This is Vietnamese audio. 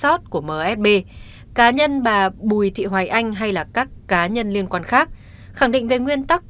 trách nhiệm của msb cá nhân bà bùi thị hoài anh hay các cá nhân liên quan khác khẳng định về nguyên tắc